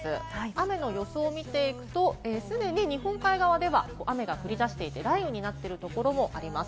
雨の予想を見ていくと、既に日本海側では雨が降り出していて、雷雨になっているところもあります。